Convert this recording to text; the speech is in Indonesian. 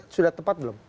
sudah tepat belum